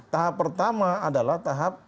tahap pertama adalah tahap